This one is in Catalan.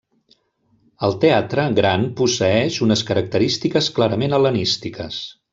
El Teatre gran posseeix unes característiques clarament hel·lenístiques.